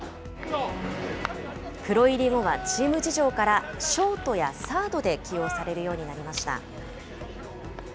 プロ入り後はチーム事情から、ショートやサードで起用されるようになりました。